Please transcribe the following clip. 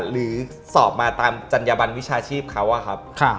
หรือสอบมาตามจัญญบันวิชาชีพเขา